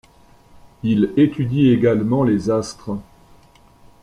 Il étudie également les astres.